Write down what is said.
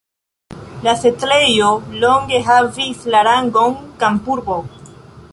La setlejo longe havis la rangon kampurbo.